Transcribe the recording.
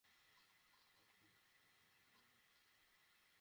হয়তো সময়মতো হাসপাতালে নেওয়া এবং সর্বোচ্চ চিকিৎসা পাওয়ার ফলে বেঁচেও গেছেন।